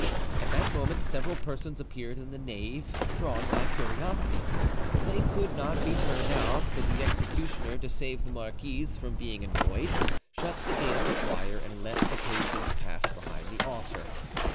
At that moment several persons appeared in the nave, drawn by curiosity. They could not be turned out, so the executioner, to save the marquise from being annoyed, shut the gate of the choir, and let the patient pass behind the altar.